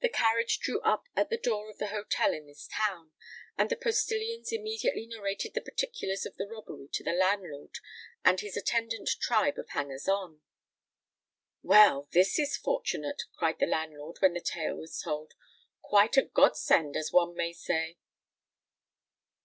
The carriage drew up at the door of the hotel in this town; and the postillions immediately narrated the particulars of the robbery to the landlord and his attendant tribe of hangers on. "Well, this is fortunate!" cried the landlord, when the tale was told: "quite a God send, as one may say."